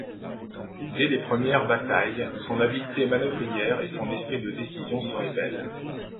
Dès les premières batailles, son habileté manœuvrière et son esprit de décision se révèlent.